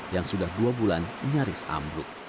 yang sudah dua bulan nyaris ambruk